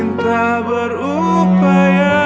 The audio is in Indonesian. saya tak berupaya